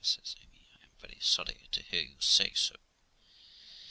says Amy, 'I am very sorry to hear you say so.